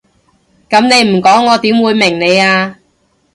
噉你唔講我點會明你啊？